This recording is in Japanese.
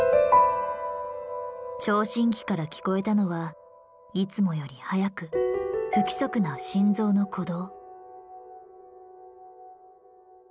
聴診器から聞こえたのはいつもより早く不規則な心臓の鼓動。